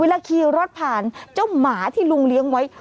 ขี่รถผ่านเจ้าหมาที่ลุงเลี้ยงไว้